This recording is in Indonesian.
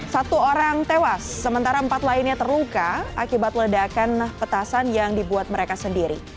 satu orang tewas sementara empat lainnya terluka akibat ledakan petasan yang dibuat mereka sendiri